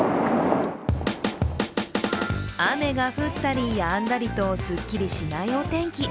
雨が降ったりやんだりと、すっきりしないお天気。